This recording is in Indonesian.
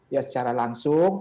ya secara langsung